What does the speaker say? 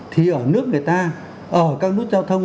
thì ở nước người ta ở các nút giao thông